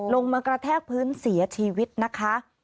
มากระแทกพื้นเสียชีวิตนะคะ